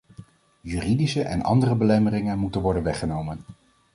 Juridische en andere belemmeringen moeten worden weggenomen.